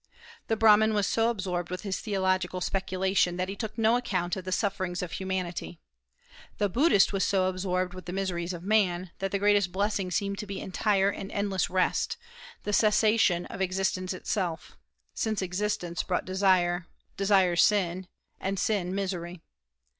The Brahman was so absorbed with his theological speculation that he took no account of the sufferings of humanity; the Buddhist was so absorbed with the miseries of man that the greatest blessing seemed to be entire and endless rest, the cessation of existence itself, since existence brought desire, desire sin, and sin misery.